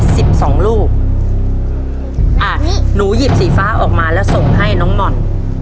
สิบสองลูกอ่านี่หนูหยิบสีฟ้าออกมาแล้วส่งให้น้องหม่อน